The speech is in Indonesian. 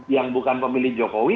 yang bukan pemilih jokowi